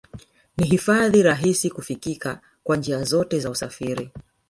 Ni hifadhi rahisi kifikika kwa njia zote za usafiri